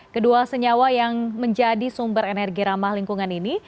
kedua senyawa yang menjadi sumber energi ramah lingkungan ini